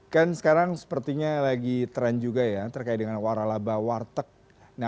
kan sekarang sepertinya lagi tren juga ya terkait dengan waralaba warteg